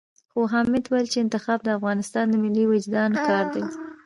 خو حامد ويل چې انتخاب د افغانستان د ملي وُجدان کار دی.